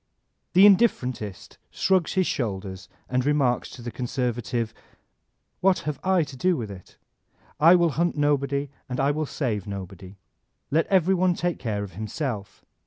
The tndifferentist shrugs his shoulders and remarks to the conservative: "What have I to do with it? I will hunt nobody and I will save nobody. Let every one take care of himself.